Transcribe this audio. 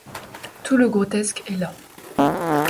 Tout le grotesque est là.